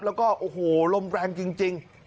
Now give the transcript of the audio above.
แล้วก็โอ้โหลมแรงจริง